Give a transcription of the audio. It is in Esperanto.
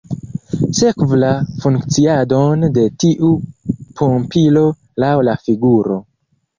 Sekvu la funkciadon de tiu pumpilo laŭ la figuro.